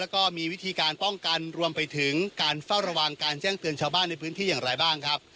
แล้วก็มีวิธีการป้องกันรวมไปถึงการเฝ้าระวังการแจ้งเตือนชาวบ้านในพื้นที่อย่างไรบ้างครับ